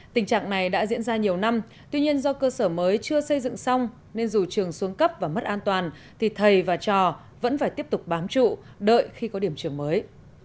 tình trạng này đã diễn ra nhiều năm tuy nhiên do cơ sở mới chưa xây dựng xong nên dù trường xuống cấp và mất an toàn thì thầy và trò vẫn phải tiếp tục bám trụ đợi khi có điểm trường mới